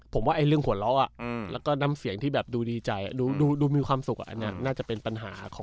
ผมว่าเรื่องหัวเราะแล้วก็น้ำเสียงที่แบบดูดีใจดูมีความสุข